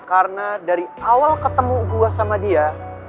karena dari awal ketemu gue sama dia